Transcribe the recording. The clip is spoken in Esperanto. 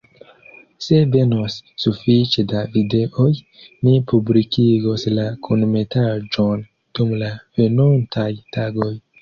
Se venos sufiĉe da videoj, ni publikigos la kunmetaĵon dum la venontaj tagoj.